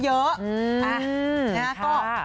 อืมค่ะ